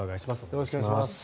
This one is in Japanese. よろしくお願いします。